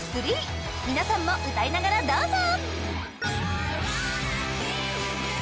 ３皆さんも歌いながらどうぞ！